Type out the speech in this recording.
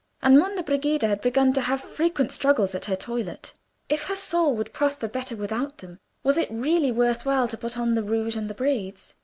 And Monna Brigida had begun to have frequent struggles at her toilet. If her soul would prosper better without them, was it really worth while to put on the rouge and the braids?